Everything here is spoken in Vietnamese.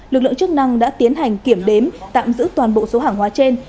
lực lượng chức năng đã tiến hành kiểm đếm tạm giữ toàn bộ số hàng hóa trên